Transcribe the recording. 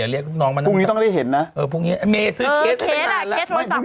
รถปุ่นมันติดในกำพรม